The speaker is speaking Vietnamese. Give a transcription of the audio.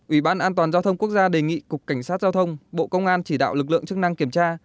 ủy ban an toàn giao thông quốc gia đề nghị cục cảnh sát giao thông bộ công an chỉ đạo lực lượng chức năng kiểm tra